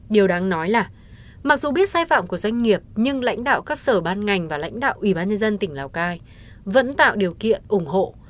điều đáng nói là mặc dù biết sai phạm của doanh nghiệp nhưng lãnh đạo các sở ban ngành và lãnh đạo ủy ban nhân dân tỉnh lào cai vẫn tạo điều kiện ủng hộ